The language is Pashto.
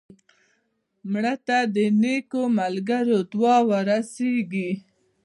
مړه ته د نیکو ملګرو دعا ورسېږي